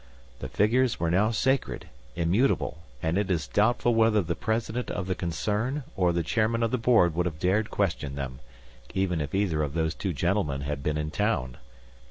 The figures were now sacred; immutable; and it is doubtful whether the President of the concern or the Chairman of the Board would have dared question them even if either of those two gentlemen had been in town.